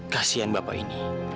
kasian bapak ini